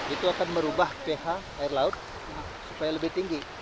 itu akan merubah ph air laut supaya lebih tinggi